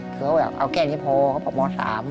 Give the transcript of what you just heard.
เขาอยากเอาแก้นที่พอเขาบอกม๓